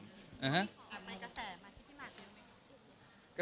กระแสมาที่ที่มาที่ไหนครับ